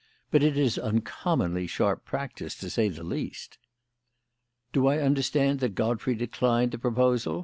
But it is uncommonly sharp practice, to say the least." "Do I understand that Godfrey declined the proposal?"